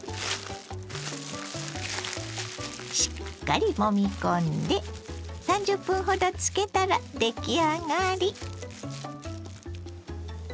しっかりもみ込んで３０分ほど漬けたら出来上がり。